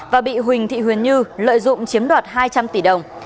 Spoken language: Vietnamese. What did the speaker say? và bị huỳnh thị huyền như lợi dụng chiếm đoạt hai trăm linh tỷ đồng